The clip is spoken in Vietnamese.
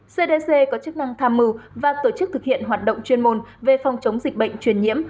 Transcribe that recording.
cdc có chức năng tham mưu và tổ chức thực hiện hoạt động chuyên môn về phòng chống dịch bệnh truyền nhiễm